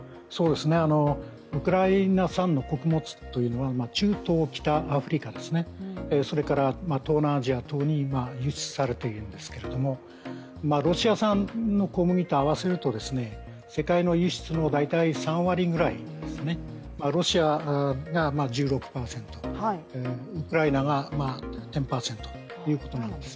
ウクライナ産の穀物というのは中東、北アフリカ、それから、東南アジア等に輸出されているんですけれどもロシア産の小麦と合わせると世界の輸出の大体３割ぐらいですね、ロシアが１６％、ウクライナが１０％ということなんです。